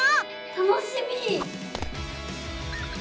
楽しみ！